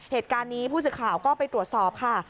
เหตุการณ์นี้ผู้สื่อข่าวก็ไปตรวจสอบค่ะ